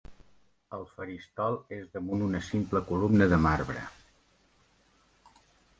El faristol és damunt una simple columna de marbre.